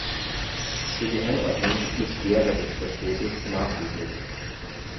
Für die Einordnung ist die Schwere des Verstoßes maßgeblich.